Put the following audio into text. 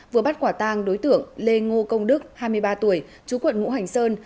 vừa bắt quả tang đối tượng lê ngô công đức hai mươi ba tuổi chú quận ngũ hành sơn